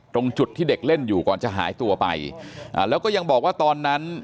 ตรงจุดที่เด็กเล่นอยู่ก่อนจะหายตัวไปอ่าแล้วก็ยังบอกว่าตอนนั้น